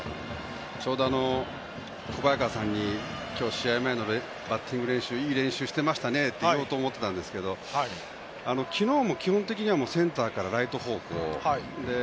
ちょうど小早川さんに今日、試合前のバッティング練習いい練習していましたねと言おうとしていたんですけど昨日も基本的にはセンターからライト方向。